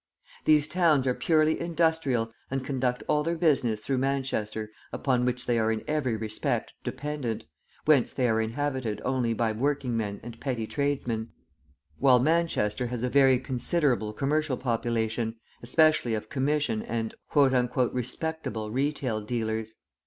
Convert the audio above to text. These towns are purely industrial and conduct all their business through Manchester upon which they are in every respect dependent, whence they are inhabited only by working men and petty tradesmen, while Manchester has a very considerable commercial population, especially of commission and "respectable" retail dealers.